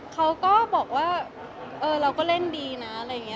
เขาก็บอกว่าเราก็เล่นดีนะอะไรอย่างนี้